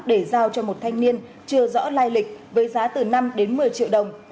để giao cho một thanh niên chưa rõ lai lịch với giá từ năm đến một mươi triệu đồng